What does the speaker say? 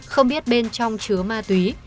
không biết bên trong chứa ma tuy